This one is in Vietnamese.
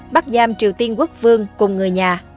bắt giam triều tiên quốc vương cùng người nhà